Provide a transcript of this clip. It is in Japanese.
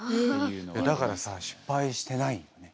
だからさ失敗してないよね。